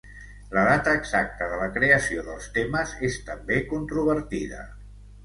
La data exacta de la creació dels temes és també controvertida.